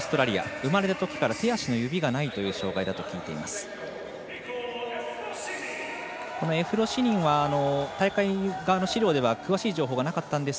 生まれたときから手足の指がない障がいだというふうに聞いています。